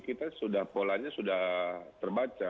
kita sudah polanya sudah terbaca